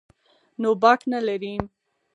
نو باک نه لري.